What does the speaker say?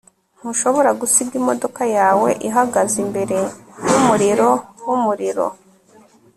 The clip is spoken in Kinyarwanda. ntushobora gusiga imodoka yawe ihagaze imbere yumuriro wumuriro